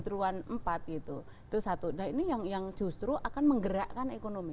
di triwulan empat gitu itu satu nah ini yang justru akan menggerakkan ekonomi